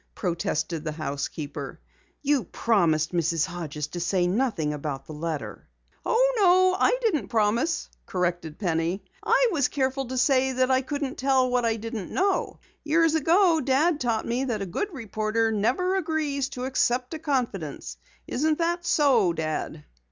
protested the housekeeper. "You promised Mrs. Hodges to say nothing about the letter." "Oh, no, I didn't promise," corrected Penny. "I was careful to say that I couldn't tell what I didn't know. Years ago Dad taught me that a good reporter never agrees to accept a confidence. Isn't that so, Dad?"